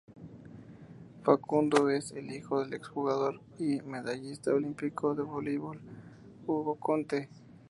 Facundo es el hijo del ex jugador y medallista olímpico de voleibol Hugo Conte.